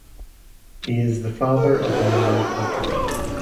He is the father of Nolan Patrick.